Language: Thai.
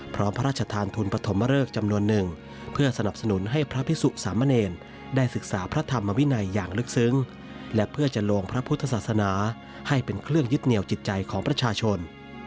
พระราชทานทุนปฐมเริกจำนวนหนึ่งเพื่อสนับสนุนให้พระพิสุสามเณรได้ศึกษาพระธรรมวินัยอย่างลึกซึ้งและเพื่อจะลงพระพุทธศาสนาให้เป็นเครื่องยึดเหนียวจิตใจของประชาชน